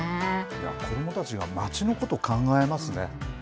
子どもたちが町のことを考えますね。